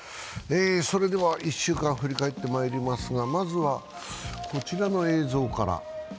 それでは１週間を振り返ってまいりますが、まずはこちらの映像から。